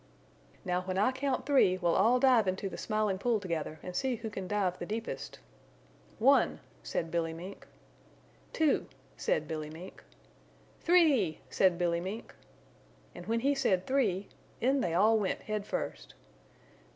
"Now when I count three we'll all dive into the Smiling Pool together and see who can dive the deepest. One!" said Billy Mink. "Two!" said Billy Mink. "Three!" said Billy Mink. And when he said "Three!" in they all went head first.